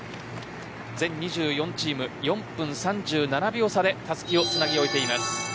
全２４チーム４分３７秒差でたすきをつなぎ終えています。